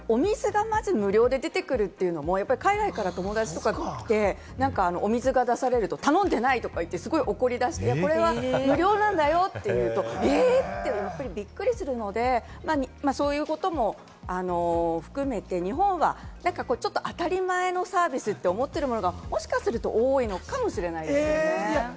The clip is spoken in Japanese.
お水も無料で出てくるというのは海外から友達が来て、お水が出されると、頼んでいないと言って、すごく怒り出して、これは無料なんだよと言うと、やっぱりびっくりするので、そういうことも含めて日本はちょっと当たり前のサービスと思っているものがもしかすると多いのかもしれないですよね。